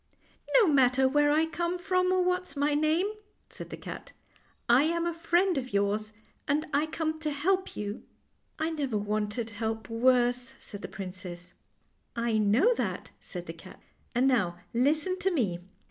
" No matter where I come from or what's my name," said the cat. " I am a friend of yours, and I come to help you? "" I never wanted help worse," said the princess. " I know that," said the cat; " and now listen to me.